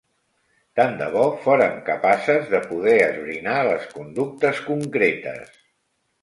Tant de bo fórem capaces de poder esbrinar les conductes concretes.